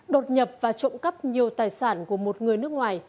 đột nhập và trộm cắp nhiều tài sản của một người nước ngoài